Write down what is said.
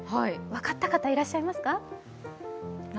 分かった方、いらっしゃいますか？